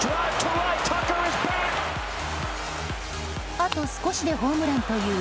あと少しでホームランという